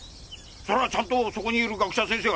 それはちゃんとそこにいる学者先生が認めてる。